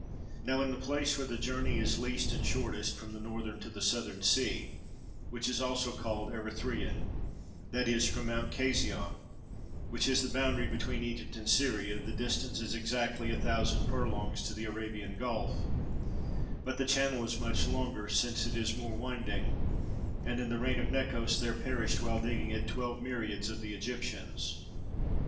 Now in the place where the journey is least and shortest from the Northern to the Southern Sea (which is also called Erythraian), that is from Mount Casion, which is the boundary between Egypt and Syria, the distance is exactly a thousand furlongs to the Arabian gulf; but the channel is much longer, since it is more winding; and in the reign of Necos there perished while digging it twelve myriads of the Egyptians.